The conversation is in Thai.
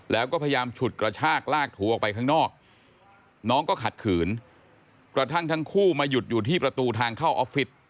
แล้วก็พยายามฉุดกระชากลากถูออกไปข้างนอกน้องก็ขัดขืนกระทั่งทั้งคู่มาหยุดอยู่ที่ประตูทางเข้าออฟฟิศ